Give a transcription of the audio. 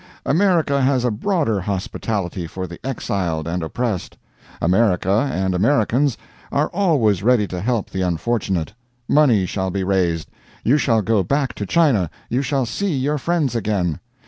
America has a broader hospitality for the exiled and oppressed. America and Americans are always ready to help the unfortunate. Money shall be raised you shall go back to China you shall see your friends again.